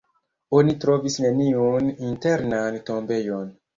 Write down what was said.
Oni trovis neniun internan tombejon.